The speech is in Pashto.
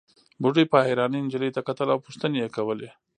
بوډۍ په حيرانۍ نجلۍ ته کتل او پوښتنې يې کولې.